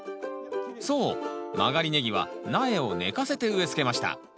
そう曲がりネギは苗を寝かせて植えつけました。